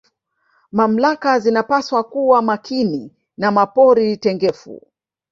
mamlaka zinapaswa kuwa Makini na mapori tengefu